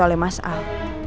oleh mas al